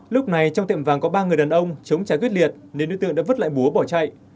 lúc này trong tiệm vàng có ba người đàn ông chống trả quyết liệt nên đối tượng đã vứt lại búa bỏ chạy